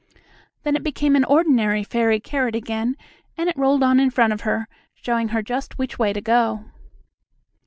Then it became an ordinary fairy carrot again, and rolled on in front of her, showing her just which way to go.